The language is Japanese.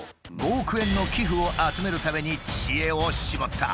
５億円の寄付を集めるために知恵を絞った。